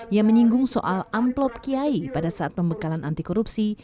yang menyinggung soal amplop kiai pada saat pembekalan anti korupsi